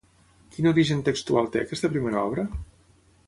Quin origen textual té aquesta primera obra?